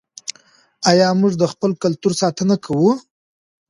آیا موږ د خپل کلتور ساتنه کوو؟